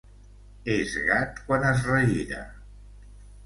Es gat quan es regira.